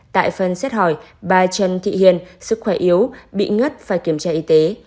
tại phần xét hỏi bà trần thị hiền sức khỏe yếu bị ngất phải kiểm tra y tế